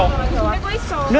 kau tidak bisa